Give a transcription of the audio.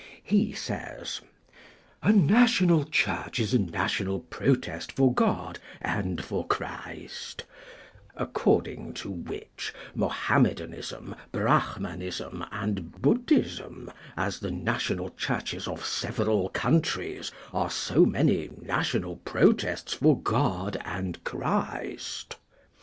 He says: "A National Church is a national protest for God and for Christ;" according to which, Mohammedanism, Brahmanism, and Buddhism, as the national churches of several countries, are so many national protests for God and Christ.